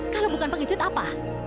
kalau bukan pengecut apa